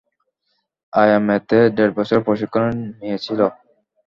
IMA তে দেড় বছরের প্রশিক্ষণের নিয়েছিল।